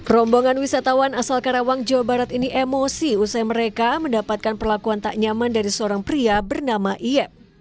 rombongan wisatawan asal karawang jawa barat ini emosi usai mereka mendapatkan perlakuan tak nyaman dari seorang pria bernama iep